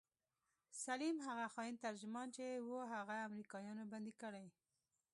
سليم هغه خاين ترجمان چې و هغه امريکايانو بندي کړى.